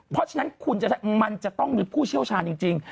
เพราะฉะนั้นคุณมันจะต้องมีผู้เชี่ยวชาญจริง